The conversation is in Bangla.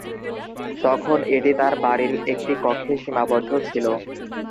তখন এটি তার বাড়ির একটি কক্ষে সীমাবদ্ধ ছিল।